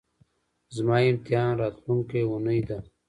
زما امتحان راتلونکۍ اونۍ ده